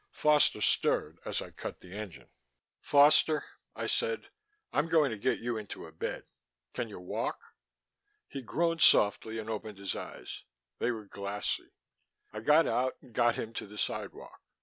Foster stirred as I cut the engine. "Foster," I said. "I'm going to get you into a bed. Can you walk?" He groaned softly and opened his eyes. They were glassy. I got out and got him to the sidewalk.